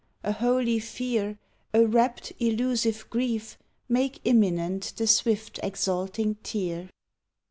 A holy fear, A rapt, elusive grief, Make imminent the swift, exalting tear.